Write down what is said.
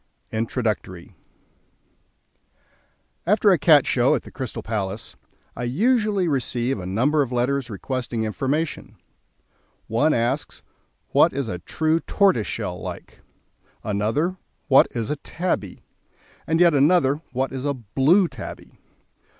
After a Cat Show at the Crystal Palace, I usually receive a number of letters requesting information. One asks: "What is a true tortoiseshell like?" Another: "What is a tabby?" and yet another: "What is a blue tabby?"